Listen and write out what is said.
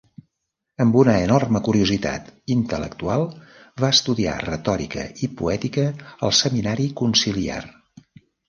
Amb una enorme curiositat intel·lectual, va estudiar retòrica i poètica al Seminari Conciliar.